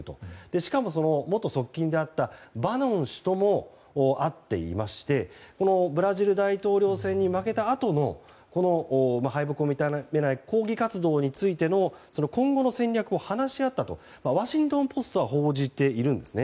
しかも、元側近であったバノン氏とも会っていましてブラジル大統領選に負けたあとの敗北を認めない抗議活動についての今後の戦略を話し合ったとワシントン・ポストは報じているんですね。